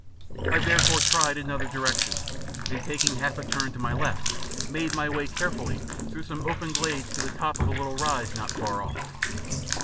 I therefore tried another direction, and, taking a half turn to my left, made my way carefully through some open glades to the top of a little rise not far off.